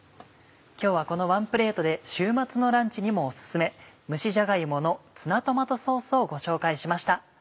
今日はこのワンプレートで週末のランチにもおすすめ「蒸しじゃが芋のツナトマトソース」をご紹介しました。